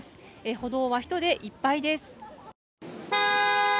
歩道は人でいっぱいです。